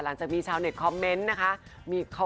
หลังจากมีชาวเน็ตคอมเมนต์นะคะ